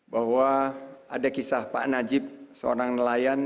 bahwa ada kisah pak najib seorang nelayan